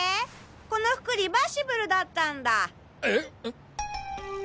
この服リバーシブルだったんだ。え！？